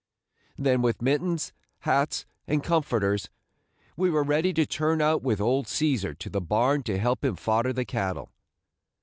Then with mittens, hats, and comforters, we were ready to turn out with old Cæsar to the barn to help him fodder the cattle.